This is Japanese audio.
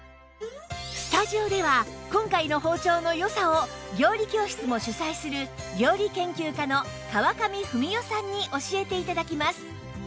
スタジオでは今回の包丁の良さを料理教室も主宰する料理研究家の川上文代さんに教えて頂きます